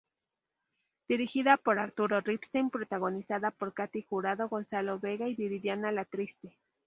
Dirigida por Arturo Ripstein, protagonizada por Katy Jurado, Gonzalo Vega y Viridiana Alatriste.